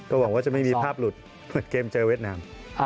ก็หวังว่าจะไม่มีภาพหลุดเหมือนเกมเจอเวสนาม